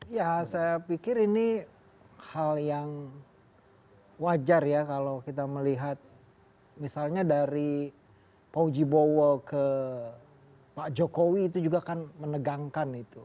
ya saya pikir ini hal yang wajar ya kalau kita melihat misalnya dari pak uji bowo ke pak jokowi itu juga kan menegangkan itu